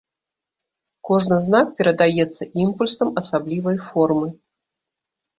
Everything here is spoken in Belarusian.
Кожны знак перадаецца імпульсам асаблівай формы.